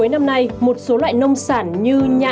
năm nay một số loại nông sản như nhà